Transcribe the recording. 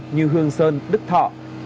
như hương sơn đức thọ